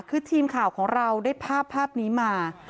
คือทีมข่าวของเราได้ภาพนี้มา